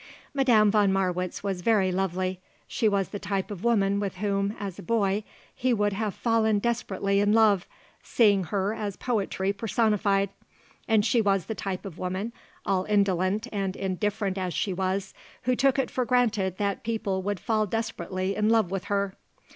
Madame von Marwitz was very lovely. She was the type of woman with whom, as a boy, he would have fallen desperately in love, seeing her as poetry personified. And she was the type of woman, all indolent and indifferent as she was, who took it for granted that people would fall desperately in love with her.